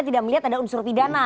tidak melihat ada unsur pidana